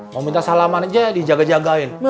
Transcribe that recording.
mau minta salamannya aja di jaga jagain